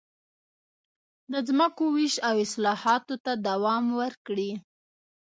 د ځمکو وېش او اصلاحاتو ته دوام ورکړي.